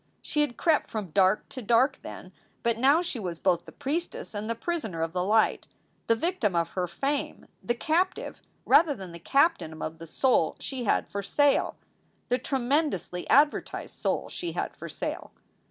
She had crept from dark to dark then, but now she was both the priestess and the prisoner of the light, the victim of her fame, the captive rather than the captain of the soul she had for sale, the tremendously advertised soul she had for sale.